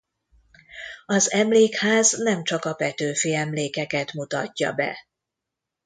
Az emlékház nem csak a Petőfi-emlékeket mutatja be.